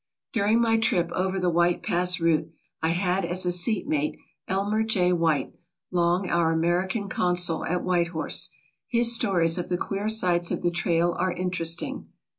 During my trip over the White Pass route I had as a seat mate Elmer J. White, long our American consul at White Horse. His stories of the queer sights of the trail are interesting.